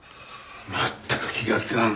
まったく気が利かん。